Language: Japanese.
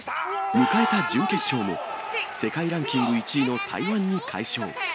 迎えた準決勝も、世界ランキング１位の台湾に快勝。